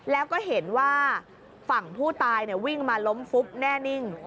แล้วก็เห็นว่าฝั่งผู้ตายวิ่งมาล้มฟุบแน่นิ่ง